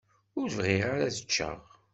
Ur bɣiɣ ara ad ččeɣ.